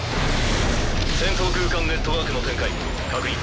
戦闘空間ネットワークの展開確認。